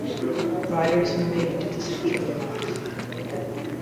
Writers remained at the centre of her life.